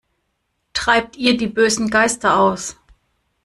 Treibt ihr die bösen Geister aus!